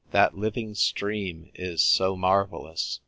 That living stream is so marvellous